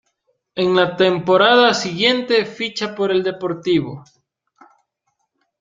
En la temporada siguiente ficha por el Deportivo.